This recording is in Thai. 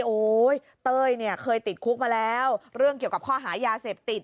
โอ๊ยเต้ยเนี่ยเคยติดคุกมาแล้วเรื่องเกี่ยวกับข้อหายาเสพติด